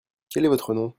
Quel est votre nom ?